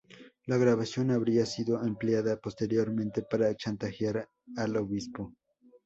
La grabación habría sido empleada posteriormente para chantajear al obispo.